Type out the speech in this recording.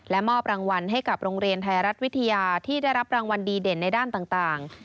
มอบรางวัลให้กับโรงเรียนไทยรัฐวิทยาที่ได้รับรางวัลดีเด่นในด้านต่าง